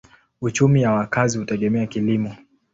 Uchumi ya wakazi hutegemea kilimo.